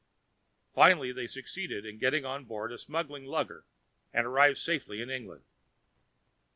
[Finally they succeeded in getting on board a smuggling lugger, and arrived safely in England.